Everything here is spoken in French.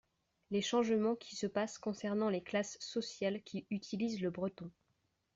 Les changements qui se passent concernant les classes sociales qui utilisent le breton.